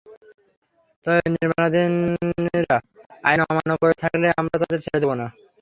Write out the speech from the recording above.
ভবন নির্মাণকারীরা আইন অমান্য করে থাকলে আমরা তাদের ছেড়ে দেব না।